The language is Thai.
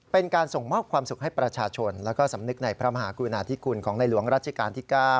เป็นการส่งมอบความสุขให้ประชาชนแล้วก็สำนึกในพระมหากรุณาธิคุณของในหลวงรัชกาลที่๙